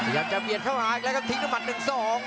อยากจะเปลี่ยนเข้ามาอีกแล้วก็ทิ้งต้นหมัด๑๒